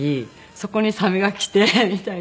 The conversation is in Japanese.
そこにサメが来てみたいな。